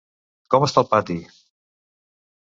Com està el pati!